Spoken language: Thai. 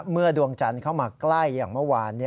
ดวงจันทร์เข้ามาใกล้อย่างเมื่อวาน